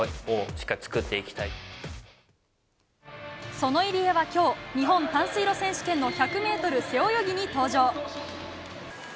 その入江は今日日本短水路選手権の１００ｍ背泳ぎに登場。